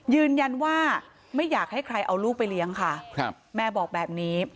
ยืนยันว่าไม่อยากให้ใครเอาลูกไปเลี้ยงค่ะแม่บอกแบบนี้